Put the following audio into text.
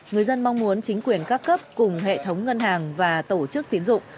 người dân mong muốn chính quyền các cấp cùng hệ thống ngân hàng và tổ chức tiến dụng